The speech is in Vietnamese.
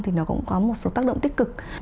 thì nó cũng có một số tác động tích cực